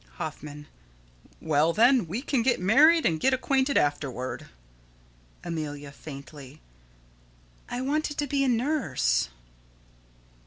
Hoffman: Well, then, we can get married and get acquainted afterward. Amelia: [Faintly.] I wanted to be a nurse.